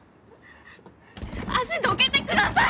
足どけてください！